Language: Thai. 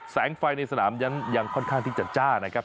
แสงไฟในสนามยังค่อนข้างที่จะจ้านะครับ